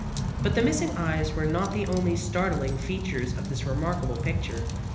But the missing eyes were not the only startling features of this remarkable picture.